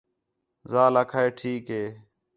ذال آکھا ٹھیک ہِے